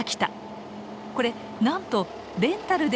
これなんとレンタルできる列車！